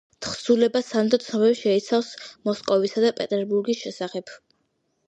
თხზულება სანდო ცნობებს შეიცავს მოსკოვისა და პეტერბურგის შესახებ.